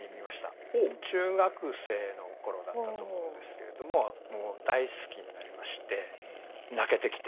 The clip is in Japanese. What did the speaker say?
中学生の頃だったと思うんですけれどももう大好きになりまして泣けてきて。